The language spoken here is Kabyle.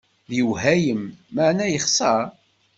D lwehayem, meεna yexser.